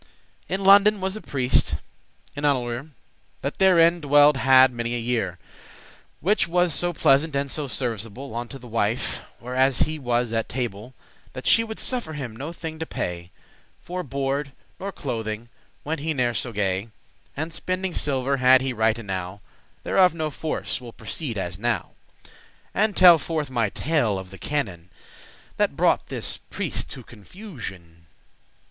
In London was a priest, an annualere, <12> That therein dwelled hadde many a year, Which was so pleasant and so serviceable Unto the wife, where as he was at table, That she would suffer him no thing to pay For board nor clothing, went he ne'er so gay; And spending silver had he right enow; Thereof no force;* will proceed as now, *no matter And telle forth my tale of the canon, That brought this prieste to confusion.